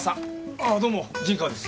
ああどうも陣川です。